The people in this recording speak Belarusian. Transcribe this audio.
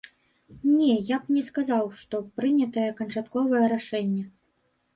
Не, я б не сказаў, што прынятае канчатковае рашэнне.